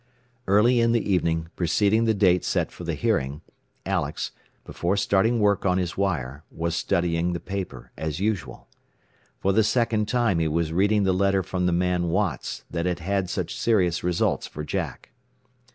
Early in the evening preceding the day set for the hearing, Alex, before starting work on his wire, was studying the paper as usual. For the second time he was reading the letter from the man Watts that had had such serious results for Jack.